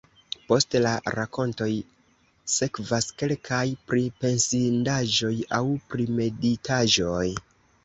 Post la rakontoj sekvas kelkaj pripensindaĵoj aŭ primeditaĵoj.